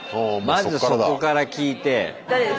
まずそこから聞いて。